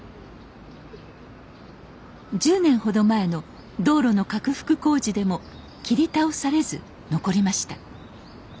１０年ほど前の道路の拡幅工事でも切り倒されず残りました。